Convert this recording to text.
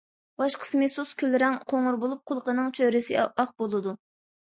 باش قىسمى سۇس كۈل رەڭ قوڭۇر بولۇپ، قۇلىقىنىڭ چۆرىسى ئاق بولىدۇ.